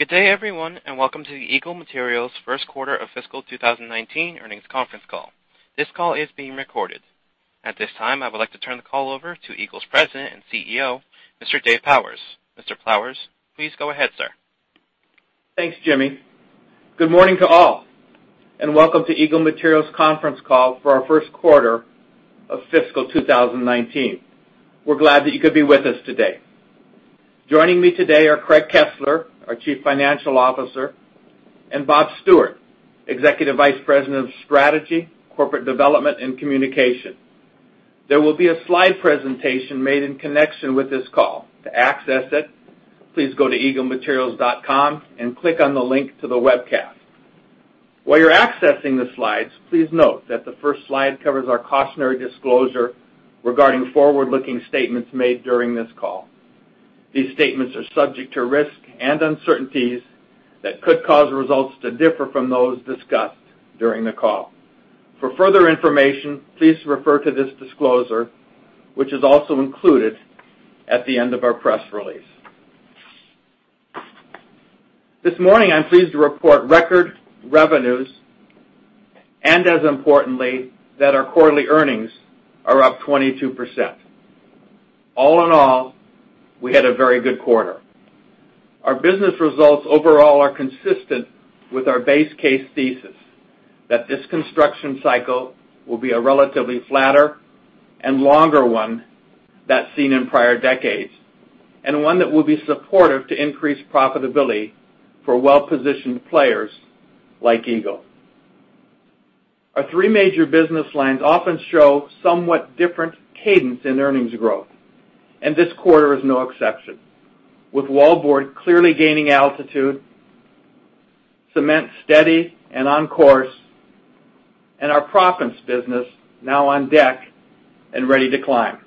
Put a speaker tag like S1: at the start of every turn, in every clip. S1: Good day everyone, and welcome to the Eagle Materials first quarter of fiscal 2019 earnings conference call. This call is being recorded. At this time, I would like to turn the call over to Eagle's President and CEO, Mr. Dave Powers. Mr. Powers, please go ahead, sir.
S2: Thanks, Jimmy. Good morning to all, and welcome to Eagle Materials conference call for our first quarter of fiscal 2019. We're glad that you could be with us today. Joining me today are Craig Kesler, our Chief Financial Officer, and Bob Stewart, Executive Vice President of Strategy, Corporate Development, and Communication. There will be a slide presentation made in connection with this call. To access it, please go to eaglematerials.com and click on the link to the webcast. While you're accessing the slides, please note that the first slide covers our cautionary disclosure regarding forward-looking statements made during this call. These statements are subject to risk and uncertainties that could cause results to differ from those discussed during the call. For further information, please refer to this disclosure, which is also included at the end of our press release. This morning, I'm pleased to report record revenues, and as importantly, that our quarterly earnings are up 22%. All in all, we had a very good quarter. Our business results overall are consistent with our base case thesis that this construction cycle will be a relatively flatter and longer one that seen in prior decades, and one that will be supportive to increase profitability for well-positioned players like Eagle. Our three major business lines often show somewhat different cadence in earnings growth, and this quarter is no exception. With wallboard clearly gaining altitude, cement steady and on course, and our proppants business now on deck and ready to climb.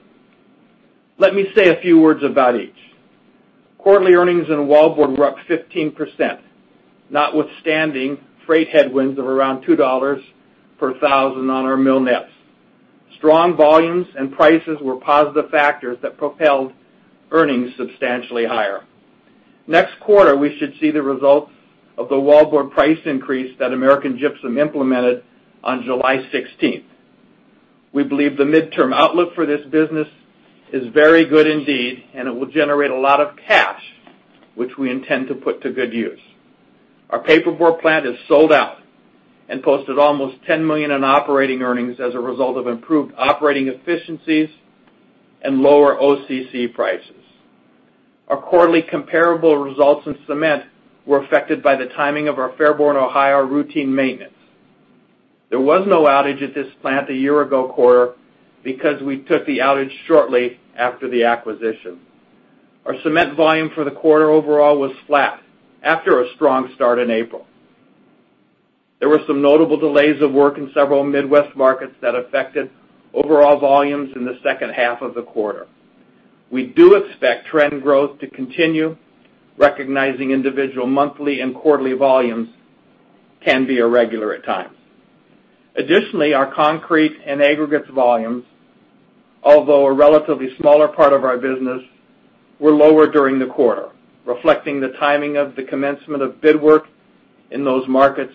S2: Let me say a few words about each. Quarterly earnings in wallboard were up 15%, notwithstanding freight headwinds of around $2 per thousand on our mill net. Strong volumes and prices were positive factors that propelled earnings substantially higher. Next quarter, we should see the results of the wallboard price increase that American Gypsum implemented on July 16th. We believe the midterm outlook for this business is very good indeed, and it will generate a lot of cash, which we intend to put to good use. Our paperboard plant is sold out and posted almost $10 million in operating earnings as a result of improved operating efficiencies and lower OCC prices. Our quarterly comparable results in cement were affected by the timing of our Fairborn, Ohio, routine maintenance. There was no outage at this plant a year ago quarter because we took the outage shortly after the acquisition. Our cement volume for the quarter overall was flat after a strong start in April. There were some notable delays of work in several Midwest markets that affected overall volumes in the second half of the quarter. We do expect trend growth to continue, recognizing individual monthly and quarterly volumes can be irregular at times. Additionally, our concrete and aggregates volumes, although a relatively smaller part of our business, were lower during the quarter, reflecting the timing of the commencement of bid work in those markets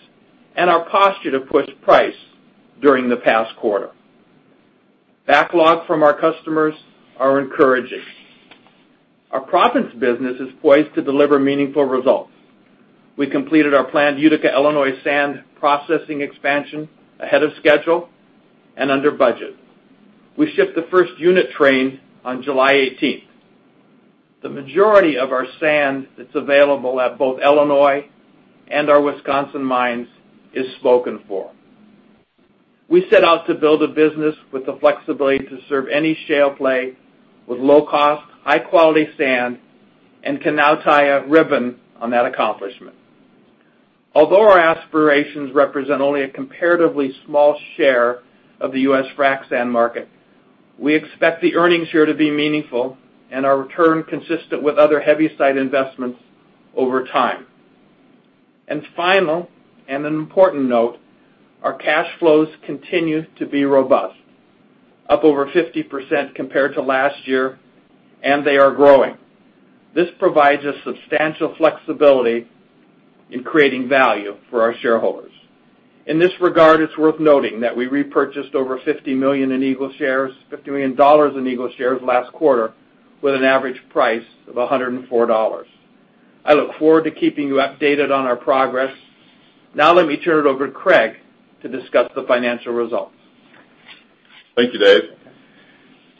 S2: and our posture to push price during the past quarter. Backlog from our customers are encouraging. Our proppants business is poised to deliver meaningful results. We completed our planned Utica, Illinois, sand processing expansion ahead of schedule and under budget. We shipped the first unit train on July 18th. The majority of our sand that's available at both Illinois and our Wisconsin mines is spoken for. We set out to build a business with the flexibility to serve any shale play with low cost, high-quality sand, and can now tie a ribbon on that accomplishment. Although our aspirations represent only a comparatively small share of the U.S. frac sand market, we expect the earnings here to be meaningful and our return consistent with other heavy side investments over time. Final, and an important note, our cash flows continue to be robust, up over 50% compared to last year, and they are growing. This provides us substantial flexibility in creating value for our shareholders. In this regard, it's worth noting that we repurchased over $50 million in Eagle shares last quarter with an average price of $104. I look forward to keeping you updated on our progress. Now let me turn it over to Craig to discuss the financial results.
S3: Thank you, Dave.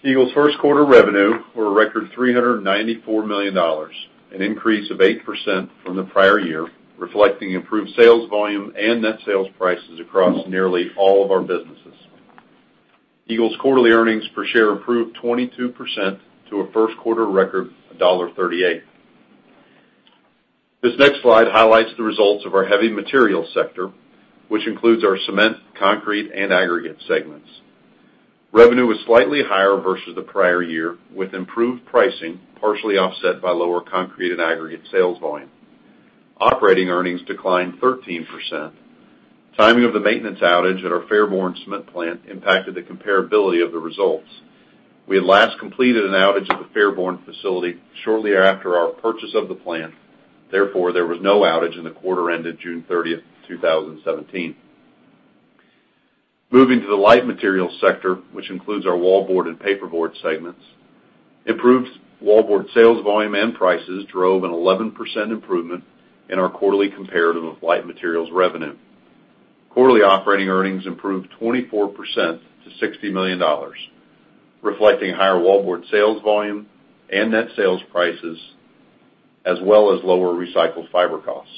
S3: Eagle's first quarter revenue were a record $394 million, an increase of 8% from the prior year, reflecting improved sales volume and net sales prices across nearly all of our businesses. Eagle's quarterly earnings per share improved 22% to a first quarter record of $1.38. This next slide highlights the results of our heavy material sector, which includes our cement, concrete, and aggregate segments. Revenue was slightly higher versus the prior year, with improved pricing partially offset by lower concrete and aggregate sales volume. Operating earnings declined 13%. Timing of the maintenance outage at our Fairborn cement plant impacted the comparability of the results. We had last completed an outage of the Fairborn facility shortly after our purchase of the plant. Therefore, there was no outage in the quarter ended June 30th, 2017. Moving to the light materials sector, which includes our wallboard and paperboard segments. Improved wallboard sales volume and prices drove an 11% improvement in our quarterly comparative light materials revenue. Quarterly operating earnings improved 24% to $60 million, reflecting higher wallboard sales volume and net sales prices, as well as lower recycled fiber costs.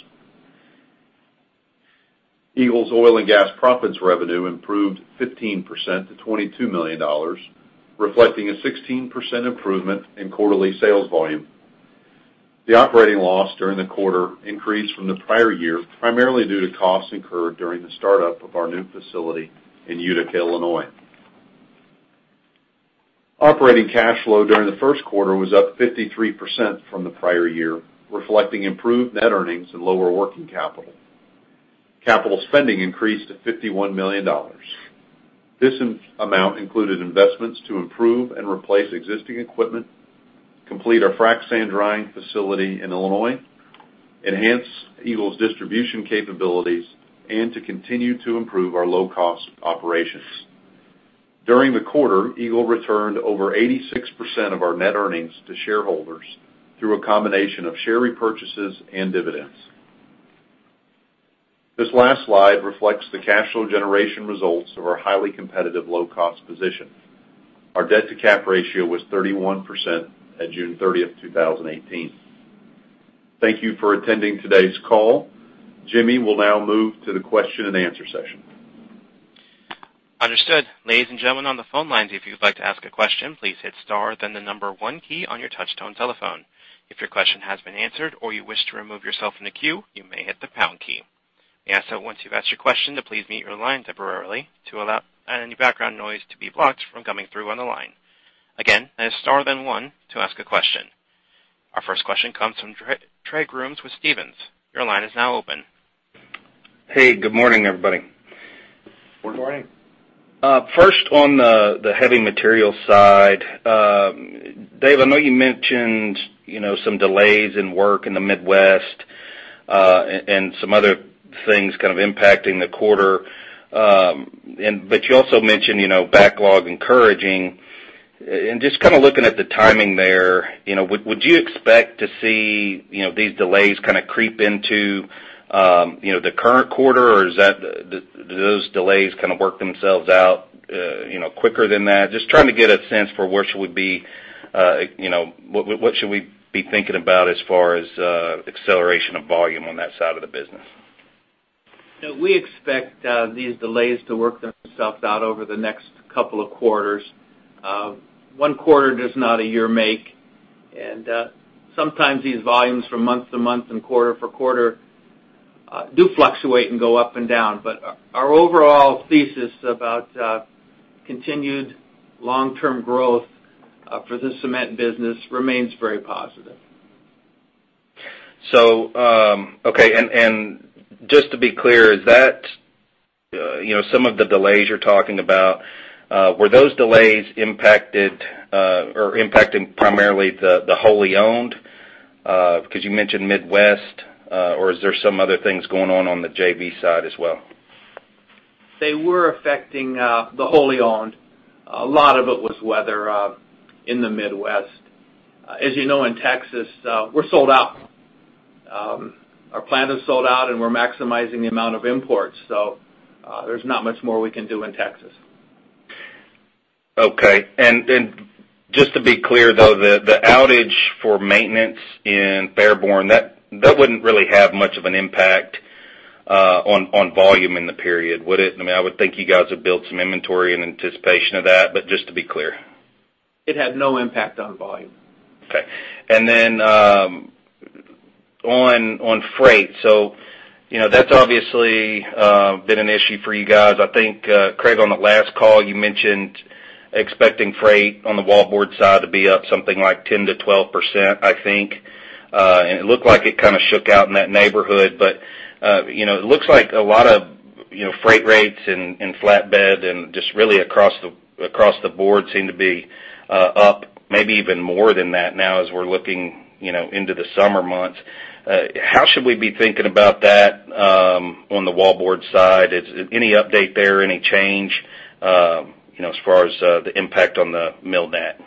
S3: Eagle's Oil and Gas Proppants revenue improved 15% to $22 million, reflecting a 16% improvement in quarterly sales volume. The operating loss during the quarter increased from the prior year, primarily due to costs incurred during the startup of our new facility in Utica, Illinois. Operating cash flow during the first quarter was up 53% from the prior year, reflecting improved net earnings and lower working capital. Capital spending increased to $51 million. This amount included investments to improve and replace existing equipment, complete our frac sand drying facility in Illinois, enhance Eagle's distribution capabilities, and to continue to improve our low-cost operations. During the quarter, Eagle returned over 86% of our net earnings to shareholders through a combination of share repurchases and dividends. This last slide reflects the cash flow generation results of our highly competitive low-cost position. Our debt to cap ratio was 31% at June 30th, 2018. Thank you for attending today's call. Jimmy will now move to the question and answer session.
S1: Understood. Ladies and gentlemen on the phone lines, if you'd like to ask a question, please hit star then the number one key on your touchtone telephone. If your question has been answered or you wish to remove yourself from the queue, you may hit the pound key. May I ask that once you've asked your question to please mute your line temporarily to allow any background noise to be blocked from coming through on the line. Again, that is star, then one to ask a question. Our first question comes from Trey Grooms with Stephens. Your line is now open.
S4: Hey, good morning, everybody.
S3: Good morning.
S4: First, on the heavy material side. Dave, I know you mentioned some delays in work in the Midwest, and some other things kind of impacting the quarter. You also mentioned backlog encouraging. Just kind of looking at the timing there, would you expect to see these delays kind of creep into the current quarter? Or do those delays kind of work themselves out quicker than that? Just trying to get a sense for where should we be? What should we be thinking about as far as acceleration of volume on that side of the business?
S2: We expect these delays to work themselves out over the next couple of quarters. One quarter does not a year make, sometimes these volumes from month to month and quarter for quarter do fluctuate and go up and down. Our overall thesis about continued long-term growth for the cement business remains very positive.
S4: Okay. Just to be clear, some of the delays you're talking about, were those delays impacting primarily the wholly owned? Because you mentioned Midwest. Is there some other things going on on the JV side as well?
S2: They were affecting the wholly owned. A lot of it was weather in the Midwest. As you know, in Texas, we're sold out. Our plant is sold out, and we're maximizing the amount of imports. There's not much more we can do in Texas.
S4: Just to be clear, though. The outage for maintenance in Fairborn, that wouldn't really have much of an impact on volume in the period, would it? I would think you guys have built some inventory in anticipation of that, but just to be clear.
S2: It had no impact on volume.
S4: Then on freight. That's obviously been an issue for you guys. I think, Craig, on the last call, you mentioned expecting freight on the wallboard side to be up something like 10%-12%, I think. It looked like it kind of shook out in that neighborhood. It looks like a lot of freight rates in flatbed and just really across the board seem to be up maybe even more than that now as we're looking into the summer months. How should we be thinking about that on the wallboard side? Any update there? Any change as far as the impact on the mill net?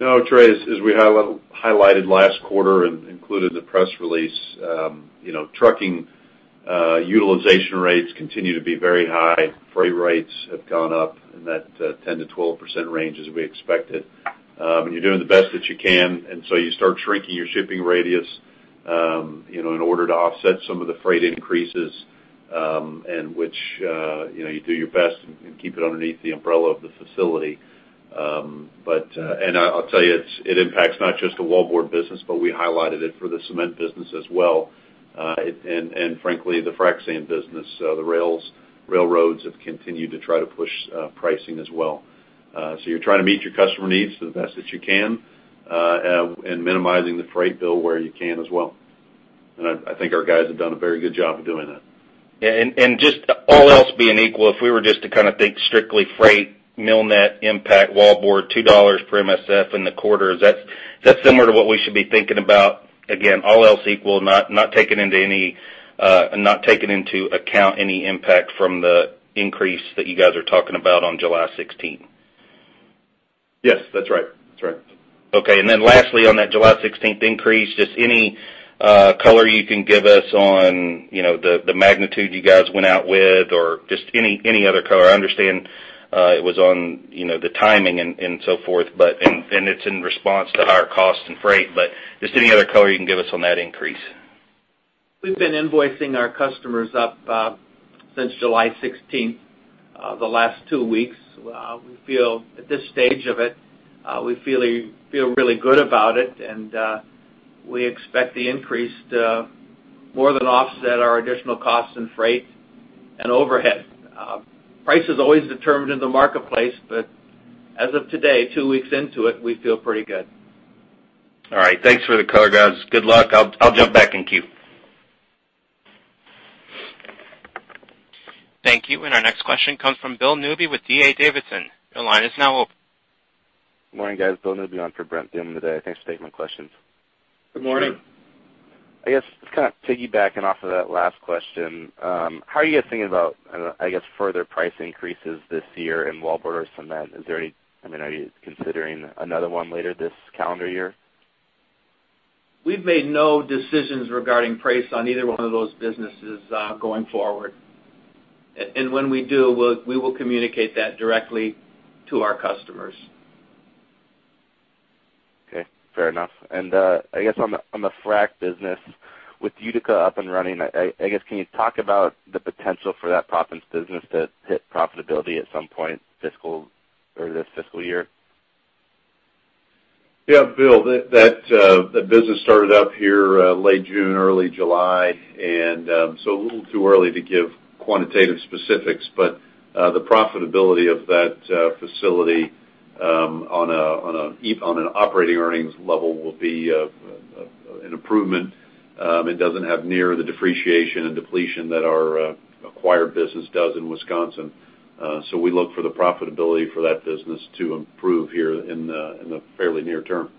S3: No, Trey, as we highlighted last quarter and included the press release. Trucking utilization rates continue to be very high. Freight rates have gone up in that 10%-12% range as we expected. You're doing the best that you can. You start shrinking your shipping radius in order to offset some of the freight increases, and which you do your best and keep it underneath the umbrella of the facility. I'll tell you, it impacts not just the wallboard business, but we highlighted it for the cement business as well. Frankly, the frac sand business. The railroads have continued to try to push pricing as well. You're trying to meet your customer needs the best that you can, and minimizing the freight bill where you can as well. I think our guys have done a very good job of doing that.
S4: Just all else being equal, if we were just to think strictly freight, mill net impact wallboard $2 per MSF in the quarter, is that similar to what we should be thinking about? Again, all else equal, not taking into account any impact from the increase that you guys are talking about on July 16th.
S3: Yes, that's right.
S4: Okay. Lastly, on that July 16th increase, just any color you can give us on the magnitude you guys went out with or just any other color. I understand it was on the timing and so forth, and it's in response to higher costs in freight, but just any other color you can give us on that increase.
S2: We've been invoicing our customers up since July 16th, the last two weeks. At this stage of it, we feel really good about it. We expect the increase to more than offset our additional costs in freight and overhead. Price is always determined in the marketplace. As of today, two weeks into it, we feel pretty good.
S4: All right. Thanks for the color, guys. Good luck. I'll jump back in queue.
S1: Thank you. Our next question comes from Bill Newby with D.A. Davidson. Your line is now open.
S5: Morning, guys. Bill Newby on for Brent Thielman today. Thanks. I have statement questions.
S2: Good morning.
S5: I guess, just kind of piggybacking off of that last question, how are you guys thinking about, I guess, further price increases this year in wallboard or cement? Are you considering another one later this calendar year?
S2: We've made no decisions regarding price on either one of those businesses going forward. When we do, we will communicate that directly to our customers.
S5: Okay. Fair enough. I guess on the frac business, with Utica up and running, I guess, can you talk about the potential for that proppants business to hit profitability at some point this fiscal year?
S3: Yeah, Bill, that business started up here late June, early July, and so a little too early to give quantitative specifics, but the profitability of that facility on an operating earnings level will be an improvement. It doesn't have near the depreciation and depletion that our acquired business does in Wisconsin. We look for the profitability for that business to improve here in the fairly near term.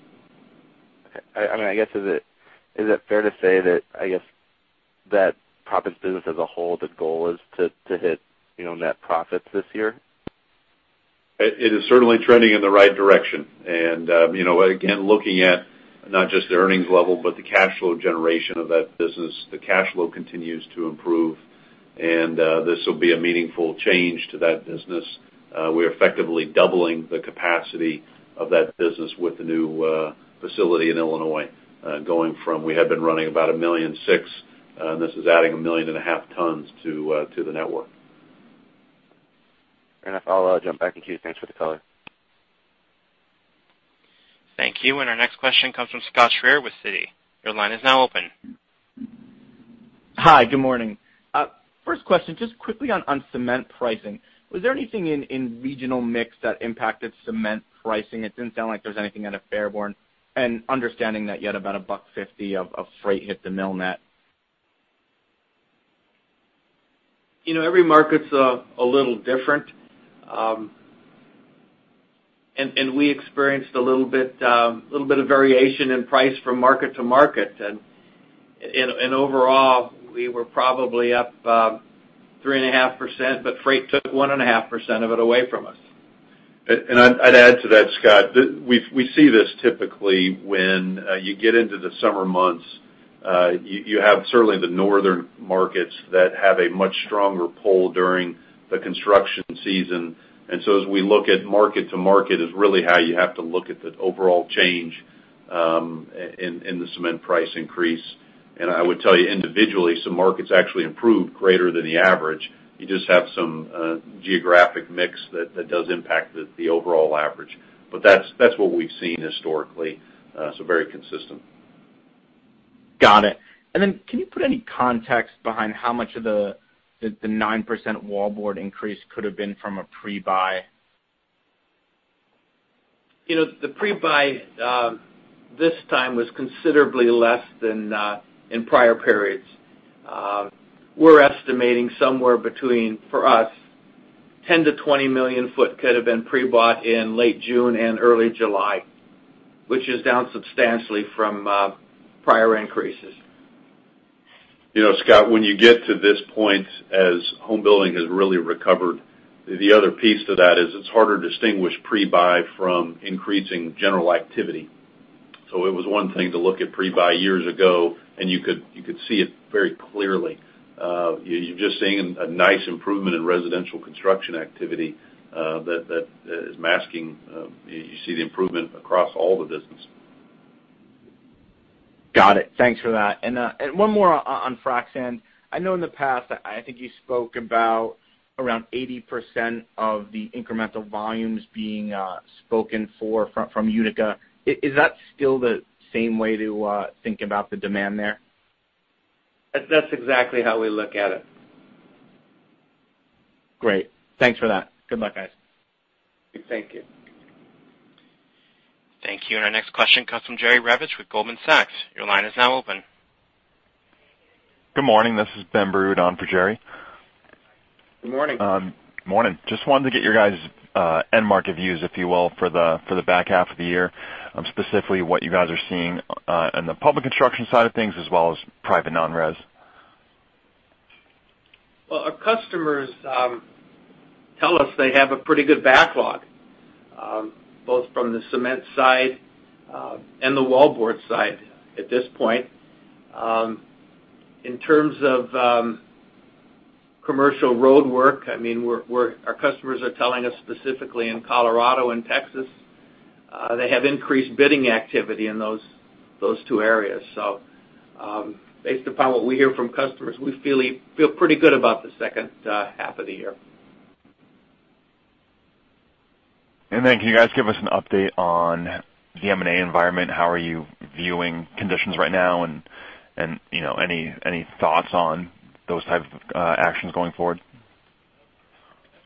S5: Okay. Is it fair to say that proppants business as a whole, the goal is to hit net profits this year?
S3: It is certainly trending in the right direction. Again, looking at not just the earnings level, but the cash flow generation of that business, the cash flow continues to improve, and this will be a meaningful change to that business. We're effectively doubling the capacity of that business with the new facility in Illinois, going from, we had been running about 1.6 million, and this is adding 1.5 million tons to the network.
S5: Fair enough. I'll jump back in queue. Thanks for the color.
S1: Thank you. Our next question comes from Scott Schrier with Citi. Your line is now open.
S6: Hi, good morning. First question, just quickly on cement pricing. Was there anything in regional mix that impacted cement pricing? It didn't sound like there's anything out of Fairborn. Understanding that you had about $1.50 of freight hit the mill net.
S2: Every market's a little different. We experienced a little bit of variation in price from market to market. Overall, we were probably up 3.5%, but freight took 1.5% of it away from us.
S3: I'd add to that, Scott, we see this typically when you get into the summer months. You have certainly the northern markets that have a much stronger pull during the construction season. As we look at market to market is really how you have to look at the overall change in the cement price increase. I would tell you individually, some markets actually improved greater than the average. You just have some geographic mix that does impact the overall average. That's what we've seen historically. Very consistent.
S6: Got it. Can you put any context behind how much of the 9% wallboard increase could have been from a pre-buy?
S2: The pre-buy this time was considerably less than in prior periods. We're estimating somewhere between, for us, 10 to 20 million foot could have been pre-bought in late June and early July, which is down substantially from prior increases.
S3: Scott, when you get to this point as home building has really recovered, the other piece to that is it's harder to distinguish pre-buy from increasing general activity. It was one thing to look at pre-buy years ago, and you could see it very clearly. You're just seeing a nice improvement in residential construction activity. You see the improvement across all the business.
S6: Got it. Thanks for that. One more on frac sand. I know in the past, I think you spoke about around 80% of the incremental volumes being spoken for from Utica. Is that still the same way to think about the demand there?
S2: That's exactly how we look at it.
S6: Great. Thanks for that. Good luck, guys.
S2: Thank you.
S1: Thank you. Our next question comes from Jerry Revich with Goldman Sachs. Your line is now open.
S7: Good morning. This is Ben Burud on for Jerry.
S2: Good morning.
S7: Morning. Just wanted to get your guys' end market views, if you will, for the back half of the year. Specifically, what you guys are seeing in the public construction side of things as well as private non-res.
S2: Well, our customers tell us they have a pretty good backlog, both from the cement side and the wallboard side at this point. In terms of commercial roadwork, our customers are telling us specifically in Colorado and Texas, they have increased bidding activity in those two areas. Based upon what we hear from customers, we feel pretty good about the second half of the year.
S7: Can you guys give us an update on the M&A environment? How are you viewing conditions right now, and any thoughts on those type of actions going forward?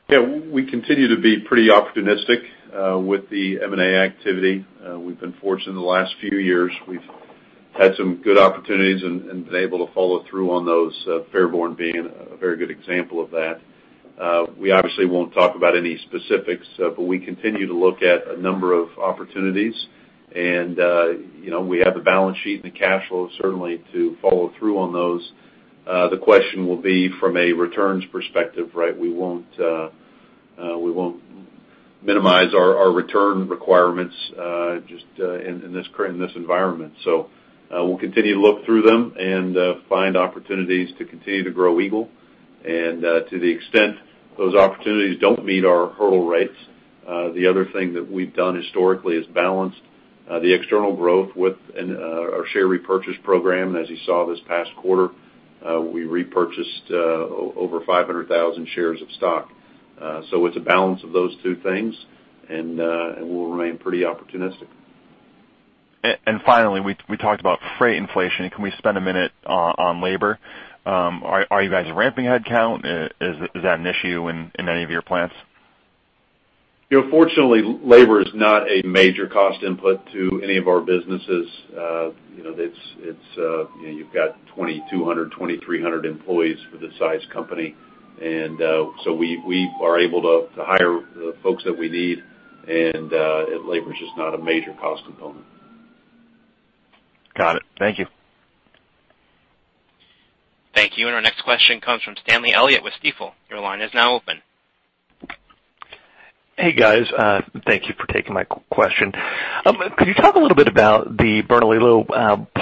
S3: Yeah. We continue to be pretty opportunistic with the M&A activity. We've been fortunate in the last few years. We've had some good opportunities and been able to follow through on those, Fairborn being a very good example of that. We obviously won't talk about any specifics, we continue to look at a number of opportunities, and we have the balance sheet and the cash flow certainly to follow through on those. The question will be from a returns perspective, right? We won't minimize our return requirements just in this environment. We'll continue to look through them and find opportunities to continue to grow Eagle. To the extent those opportunities don't meet our hurdle rates, the other thing that we've done historically is balanced the external growth with our share repurchase program. As you saw this past quarter, we repurchased over 500,000 shares of stock. It's a balance of those two things, we'll remain pretty opportunistic.
S7: Finally, we talked about freight inflation. Can we spend a minute on labor? Are you guys ramping headcount? Is that an issue in any of your plants?
S3: Fortunately, labor is not a major cost input to any of our businesses. You've got 2,200, 2,300 employees for this size company, we are able to hire the folks that we need, labor's just not a major cost component.
S7: Got it. Thank you.
S1: Thank you. Our next question comes from Stanley Elliott with Stifel. Your line is now open.
S8: Hey, guys. Thank you for taking my question. Could you talk a little bit about the Bernalillo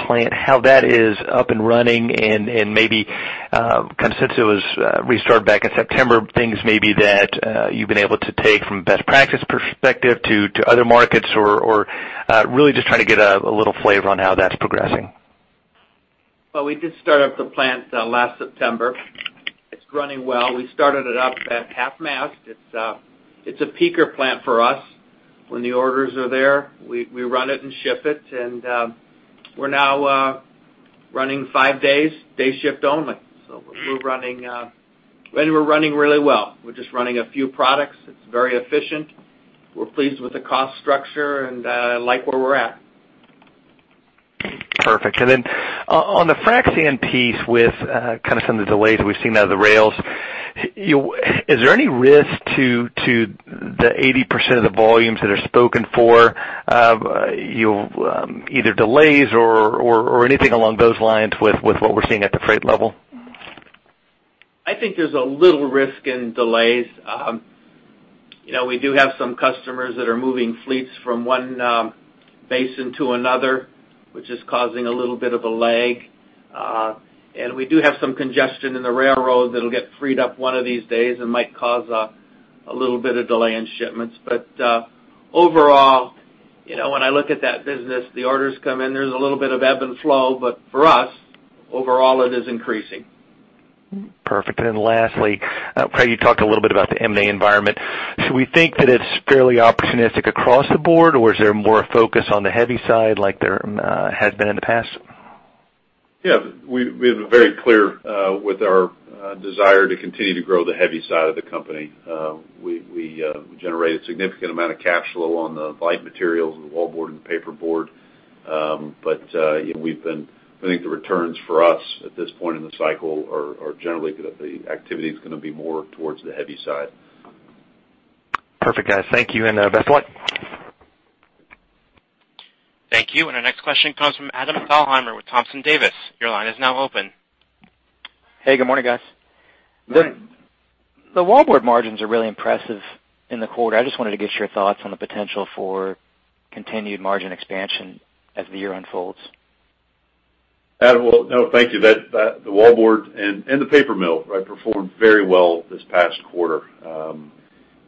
S8: plant, how that is up and running and maybe since it was restarted back in September, things maybe that you've been able to take from best practice perspective to other markets or really just trying to get a little flavor on how that's progressing.
S2: Well, we did start up the plant last September. It's running well. We started it up at half mast. It's a peaker plant for us. When the orders are there, we run it and ship it. We're now running five days, day shift only. We're running really well. We're just running a few products. It's very efficient. We're pleased with the cost structure and like where we're at.
S8: Perfect. On the frac sand piece with some of the delays we've seen out of the rails, is there any risk to the 80% of the volumes that are spoken for, either delays or anything along those lines with what we're seeing at the freight level?
S2: I think there's a little risk in delays. We do have some customers that are moving fleets from one basin to another, which is causing a little bit of a lag. We do have some congestion in the railroad that'll get freed up one of these days and might cause a little bit of delay in shipments. Overall, when I look at that business, the orders come in. There's a little bit of ebb and flow, for us, overall it is increasing.
S8: Perfect. Lastly, Craig, you talked a little bit about the M&A environment. Should we think that it's fairly opportunistic across the board, or is there more focus on the heavy side like there has been in the past?
S3: Yeah. We have been very clear with our desire to continue to grow the heavy side of the company. We generated a significant amount of cash flow on the light materials and the wallboard and paperboard. I think the returns for us at this point in the cycle are generally going to be, activity is going to be more towards the heavy side.
S8: Perfect, guys. Thank you. Best of luck.
S1: Thank you. Our next question comes from Adam Thalhimer with Thompson Davis. Your line is now open.
S9: Hey, good morning, guys.
S2: Good morning.
S9: The wallboard margins are really impressive in the quarter. I just wanted to get your thoughts on the potential for continued margin expansion as the year unfolds.
S3: Adam, well, thank you. The wallboard and the paper mill performed very well this past quarter,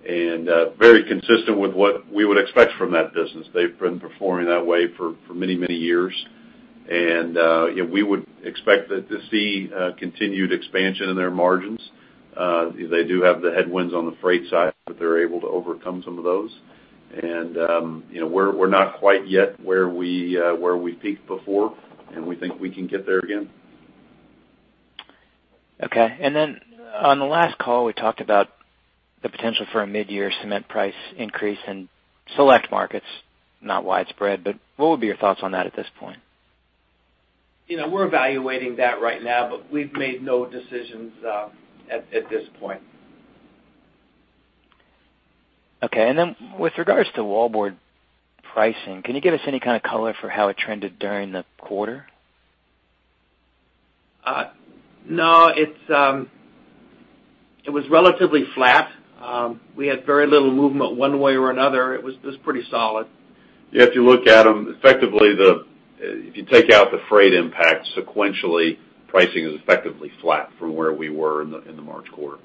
S3: very consistent with what we would expect from that business. They've been performing that way for many, many years. We would expect to see continued expansion in their margins. They do have the headwinds on the freight side, but they're able to overcome some of those. We're not quite yet where we peaked before, and we think we can get there again.
S9: Okay. On the last call, we talked about the potential for a mid-year cement price increase in select markets, not widespread, but what would be your thoughts on that at this point?
S2: We're evaluating that right now, but we've made no decisions at this point.
S9: Okay. Then with regards to wallboard pricing, can you give us any kind of color for how it trended during the quarter?
S2: No. It was relatively flat. We had very little movement one way or another. It was pretty solid.
S3: If you look at them, effectively, if you take out the freight impact sequentially, pricing is effectively flat from where we were in the March quarter.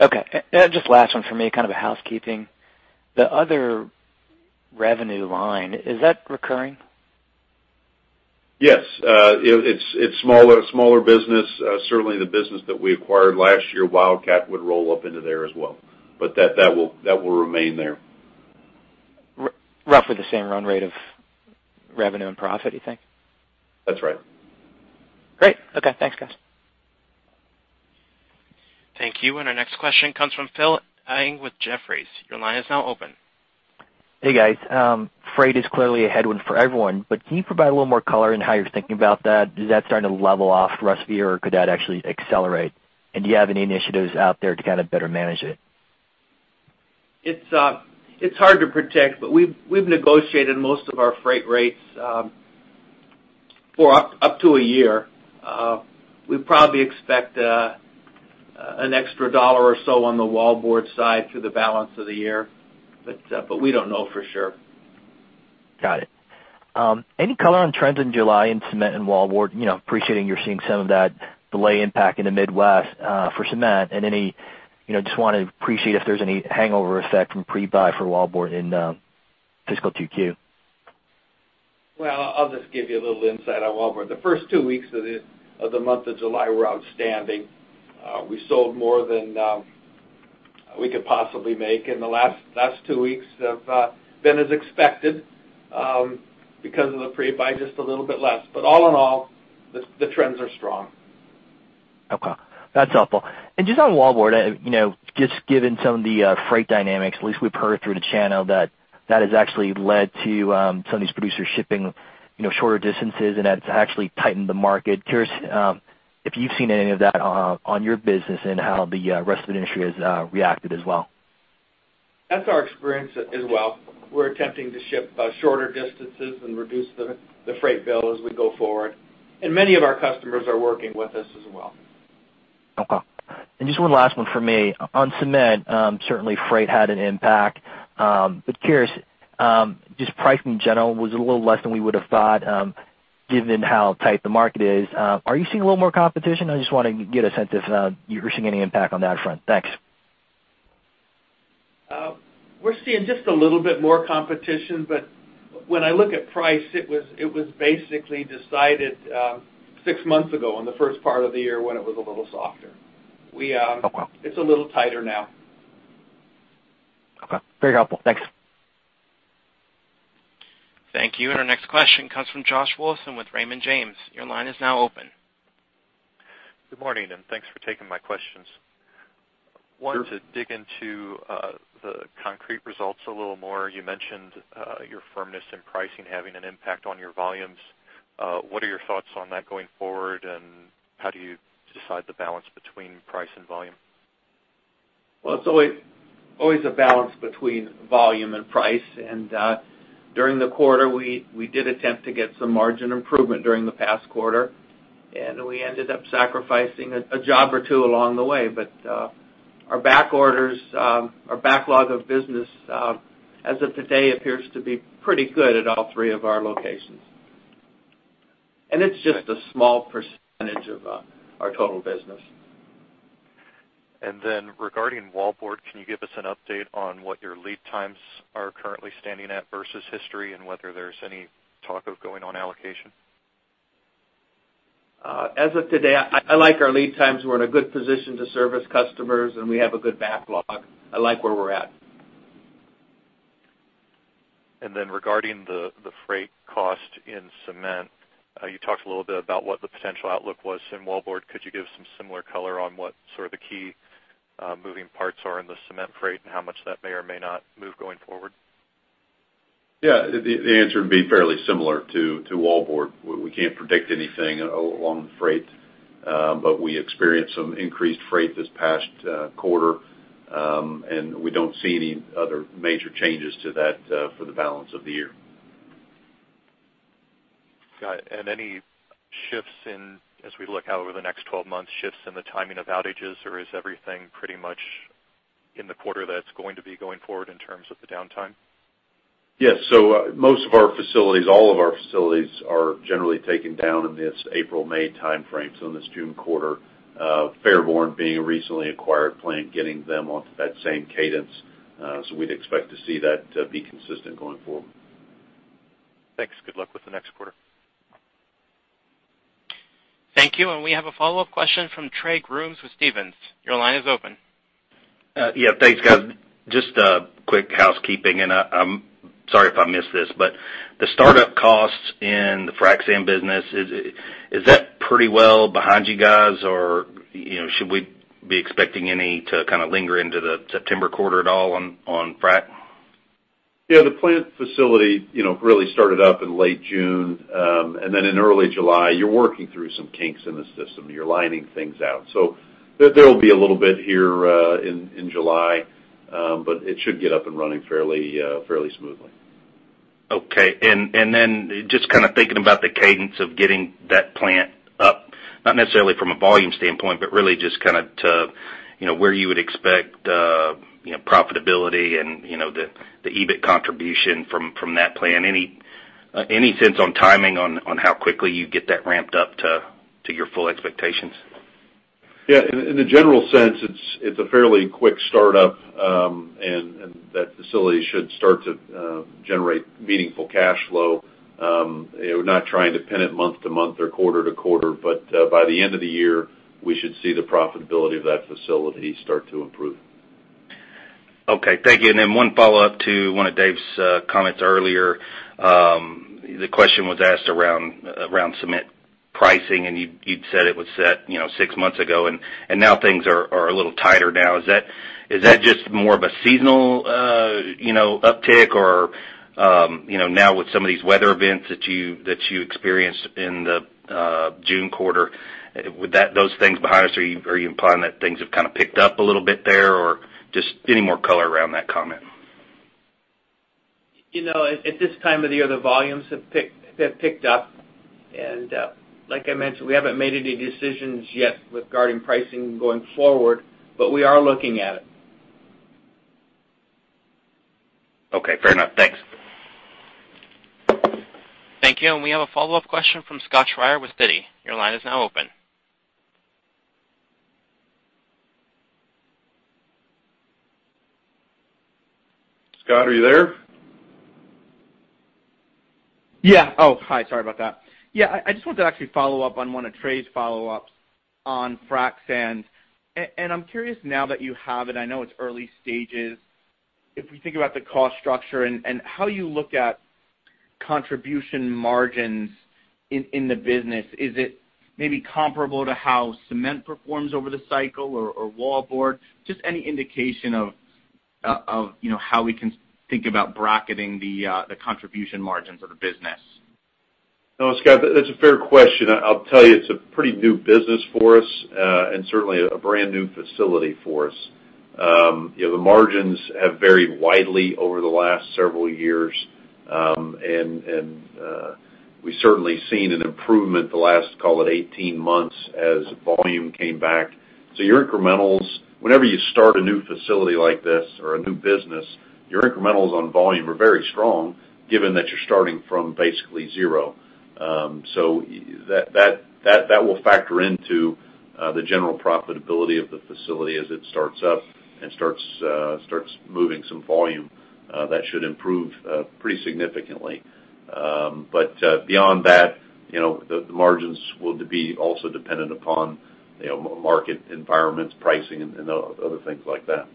S9: Okay. Just last one for me, kind of a housekeeping. The other revenue line, is that recurring?
S3: Yes. It's smaller business. Certainly the business that we acquired last year, Wildcat, would roll up into there as well. That will remain there.
S9: Roughly the same run rate of revenue and profit, you think?
S3: That's right.
S9: Great. Okay, thanks, guys.
S1: Thank you. Our next question comes from Phil Ng with Jefferies. Your line is now open.
S10: Hey, guys. Freight is clearly a headwind for everyone, can you provide a little more color in how you're thinking about that? Is that starting to level off for us, or could that actually accelerate? Do you have any initiatives out there to kind of better manage it?
S2: It's hard to predict, we've negotiated most of our freight rates for up to a year. We probably expect an extra $1 or so on the wallboard side through the balance of the year. We don't know for sure.
S10: Got it. Any color on trends in July in cement and wallboard? Appreciating you're seeing some of that delay impact in the Midwest for cement, and just want to appreciate if there's any hangover effect from pre-buy for wallboard in fiscal 2Q.
S2: Well, I'll just give you a little insight on wallboard. The first two weeks of the month of July were outstanding. We sold more than we could possibly make, and the last two weeks have been as expected, because of the pre-buy, just a little bit less. All in all, the trends are strong.
S10: Okay. That's helpful. Just on wallboard, just given some of the freight dynamics, at least we've heard through the channel that has actually led to some of these producers shipping shorter distances, and that's actually tightened the market. Curious if you've seen any of that on your business, and how the rest of the industry has reacted as well.
S2: That's our experience as well. We're attempting to ship shorter distances and reduce the freight bill as we go forward. Many of our customers are working with us as well.
S10: Okay. Just one last one from me. On cement, certainly freight had an impact. Curious, just price in general was a little less than we would have thought, given how tight the market is. Are you seeing a little more competition? I just want to get a sense if you're seeing any impact on that front. Thanks.
S2: We're seeing just a little bit more competition, but when I look at price, it was basically decided 6 months ago in the first part of the year when it was a little softer.
S10: Okay.
S2: It's a little tighter now.
S10: Okay. Very helpful. Thanks.
S1: Thank you. Our next question comes from Josh Wilson with Raymond James. Your line is now open.
S11: Good morning, thanks for taking my questions.
S3: Sure.
S11: I wanted to dig into the concrete results a little more. You mentioned your firmness in pricing having an impact on your volumes. What are your thoughts on that going forward, and how do you decide the balance between price and volume?
S2: Well, it's always a balance between volume and price. During the quarter, we did attempt to get some margin improvement during the past quarter. We ended up sacrificing a job or two along the way. Our back orders, our backlog of business, as of today, appears to be pretty good at all three of our locations. It's just a small percentage of our total business.
S11: Regarding wallboard, can you give us an update on what your lead times are currently standing at versus history, and whether there's any talk of going on allocation?
S2: As of today, I like our lead times. We're in a good position to service customers, and we have a good backlog. I like where we're at.
S11: Regarding the freight cost in cement, you talked a little bit about what the potential outlook was in wallboard. Could you give some similar color on what sort of the key moving parts are in the cement freight, and how much that may or may not move going forward?
S3: Yeah. The answer would be fairly similar to wallboard. We experienced some increased freight this past quarter, and we don't see any other major changes to that for the balance of the year.
S11: Got it. Any shifts in, as we look out over the next 12 months, shifts in the timing of outages, or is everything pretty much in the quarter that it's going to be going forward in terms of the downtime?
S3: Yes. Most of our facilities, all of our facilities are generally taken down in this April-May timeframe, so in this June quarter. Fairborn being a recently acquired plant, getting them onto that same cadence. We'd expect to see that be consistent going forward.
S11: Thanks. Good luck with the next quarter.
S1: Thank you. We have a follow-up question from Trey Grooms with Stephens. Your line is open.
S4: Yeah, thanks guys. Just a quick housekeeping, and I'm sorry if I missed this, but the startup costs in the frac sand business, is that pretty well behind you guys or should we be expecting any to kind of linger into the September quarter at all on frac?
S3: Yeah, the plant facility really started up in late June. In early July, you're working through some kinks in the system. You're lining things out. There'll be a little bit here in July. It should get up and running fairly smoothly.
S4: Okay. Just kind of thinking about the cadence of getting that plant up, not necessarily from a volume standpoint, but really just kind of to where you would expect profitability and the EBIT contribution from that plant. Any sense on timing on how quickly you'd get that ramped up to your full expectations?
S3: Yeah. In the general sense, it's a fairly quick startup. That facility should start to generate meaningful cash flow. We're not trying to pin it month to month or quarter to quarter, but by the end of the year, we should see the profitability of that facility start to improve.
S4: Okay. Thank you. One follow-up to one of Dave's comments earlier. The question was asked around cement pricing, and you'd said it was set six months ago, and now things are a little tighter now. Is that just more of a seasonal uptick or now with some of these weather events that you experienced in the June quarter, with those things behind us, are you implying that things have kind of picked up a little bit there, or just any more color around that comment?
S2: At this time of the year, the volumes have picked up. Like I mentioned, we haven't made any decisions yet regarding pricing going forward, but we are looking at it.
S4: Okay, fair enough. Thanks.
S1: Thank you. We have a follow-up question from Scott Schrier with Citi. Your line is now open.
S3: Scott, are you there?
S6: Hi. Sorry about that. I just wanted to actually follow up on one of Trey's follow-ups on frac sand. I'm curious now that you have it, I know it's early stages. If we think about the cost structure and how you look at contribution margins in the business, is it maybe comparable to how cement performs over the cycle or wallboard? Just any indication of how we can think about bracketing the contribution margins of the business.
S3: No, Scott, that's a fair question. I'll tell you, it's a pretty new business for us. Certainly a brand new facility for us. The margins have varied widely over the last several years. We've certainly seen an improvement the last, call it 18 months as volume came back. Your incrementals, whenever you start a new facility like this or a new business, your incrementals on volume are very strong given that you're starting from basically zero. That will factor into the general profitability of the facility as it starts up and starts moving some volume. That should improve pretty significantly. Beyond that, the margins will be also dependent upon market environments, pricing, and other things like that.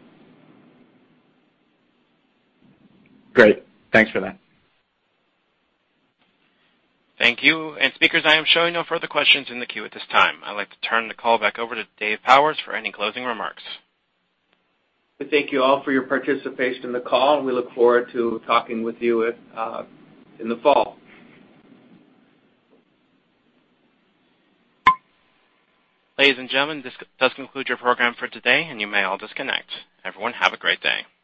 S6: Great. Thanks for that.
S1: Thank you. Speakers, I am showing no further questions in the queue at this time. I'd like to turn the call back over to Dave Powers for any closing remarks.
S2: Thank you all for your participation in the call, and we look forward to talking with you in the fall.
S1: Ladies and gentlemen, this does conclude your program for today, and you may all disconnect. Everyone, have a great day.